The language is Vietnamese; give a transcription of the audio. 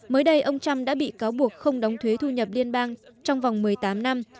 mới đây ông trump đã bị cáo buộc không đóng thuế thu nhập liên bang trong vòng một mươi tám năm